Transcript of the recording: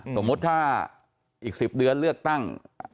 สมมุติถ้าอีก๑๐เดือนเลือกตั้ง